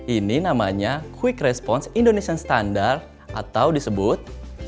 ini namanya quick response indonesian standard atau disebut